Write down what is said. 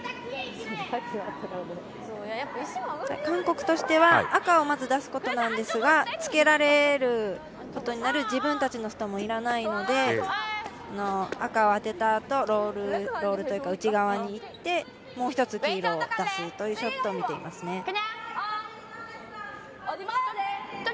韓国としては、赤をまず出すことなんですがつけられることになる自分たちのストーンも要らないので赤を当てたあと、ロールというか内側にいってもう一つ黄色を出すというショットを見ていますね。